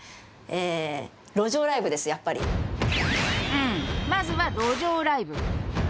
うんまずは路上ライブ。